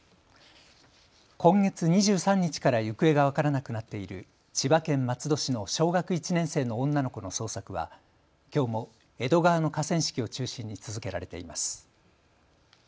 今月２３日から行方が分からなくなっている千葉県松戸市の小学１年生の女の子の捜索はきょうも江戸川の河川敷を中心に続けられています。